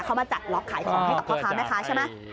เขามาจัดล็อกขายของให้กับพ่อค้าแม่ค้าใช่ไหม